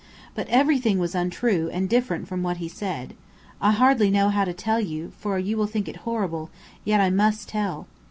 But everything was untrue and different from what he said. I hardly know how to tell you, for you will think it horrible, yet I must tell.